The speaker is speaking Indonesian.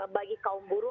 bagi kaum buru